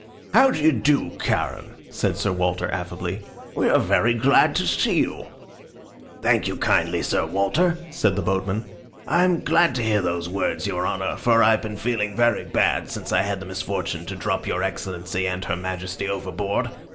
"How do you do, Charon?" said Sir Walter, affably. "We are very glad to see you." "Thank you, kindly, Sir Walter," said the boatman. "I'm glad to hear those words, your honor, for I've been feeling very bad since I had the misfortune to drop your Excellency and her Majesty overboard.